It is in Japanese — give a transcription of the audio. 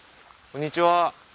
こんにちは！